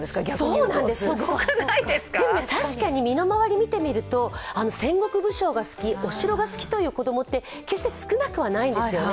そうなんです、でも、確かに身の回りを見てみると戦国武将が好き、お城が好きという子供って決して少なくはないんですよね。